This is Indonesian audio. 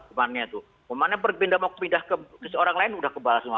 kemana pindah ke orang lain sudah kebal semua